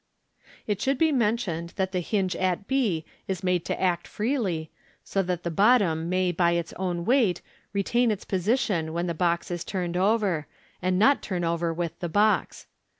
It should be mentioned that the hinge at b is made to act fre ly, Fig. 226. MODERN MAGIC. 39} so that the bottom may by its own weight retain its position w'len the box is turned over, and not turn over with the box.